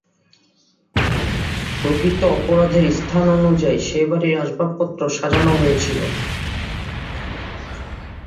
প্রকৃত অপরাধের স্থান অনুযায়ী, সে বাড়ির আসবাবপত্র সাজানো হয়েছিল।